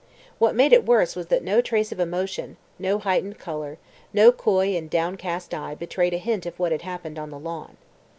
What made it worse was that no trace of emotion, no heightened colour, no coy and downcast eye betrayed a hint of what had happened on the lawn.